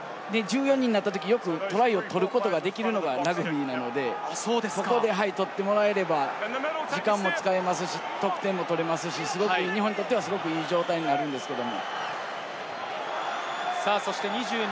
時間もここで使って、１４人になったとき、よくトライを取ることがラグビーなので、ここで取ってもらえれば、時間も使えますし、得点も取れますし、すごく日本にとってはいい状態になるんですけれど。